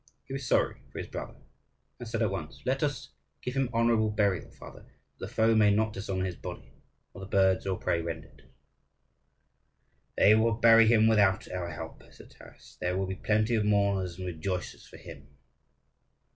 He was sorry for his brother, and said at once: "Let us give him honourable burial, father, that the foe may not dishonour his body, nor the birds of prey rend it." "They will bury him without our help," said Taras; "there will be plenty of mourners and rejoicers for him."